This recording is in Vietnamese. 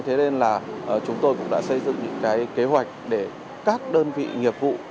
thế nên là chúng tôi cũng đã xây dựng những cái kế hoạch để các đơn vị nghiệp vụ